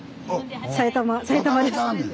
埼玉です。